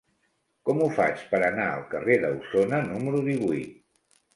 Com ho faig per anar al carrer d'Ausona número divuit?